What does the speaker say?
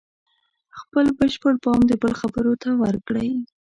خپل بشپړ پام د بل خبرو ته ورکړئ.